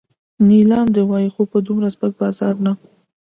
نیلام دې وای خو په دومره سپک بازار نه.